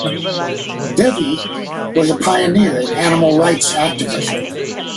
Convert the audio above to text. Devi was a pioneer in animal rights activism.